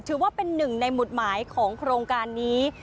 ถือว่าเป็นหนึ่งในหมุดหมายของโครงการนี้